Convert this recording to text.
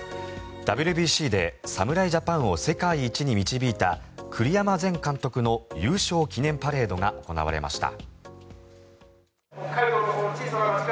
ＷＢＣで侍ジャパンを世界一に導いた栗山前監督の優勝記念パレードが行われました。